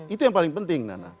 itu yang paling penting